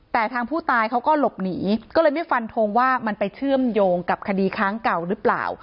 แต่ทางผู้ตายเขาก็หลบหนีก็เลยไม่ฟันทงว่ามันไปเชื่อมโยงกับคดีค้างเก่าหรือเปล่า